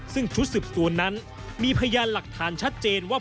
ซึ่งชุดสืบสวนนั้นมีพยานหลักฐานชัดเจนว่า